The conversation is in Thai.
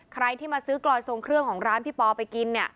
ใครที่มาซื้อกลอยทรงเครื่องของร้านพี่ปอไปกินเนี่ย